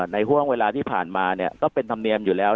ห่วงเวลาที่ผ่านมาก็เป็นธรรมเนียมอยู่แล้ว